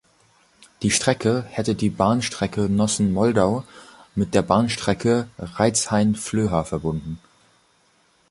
Die Strecke hätte die Bahnstrecke Nossen–Moldau mit der Bahnstrecke Reitzenhain–Flöha verbunden.